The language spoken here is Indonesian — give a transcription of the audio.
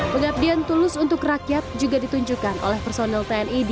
pengabdian tulus untuk rakyat juga ditunjukkan oleh personel tni di kodam tiga siliwani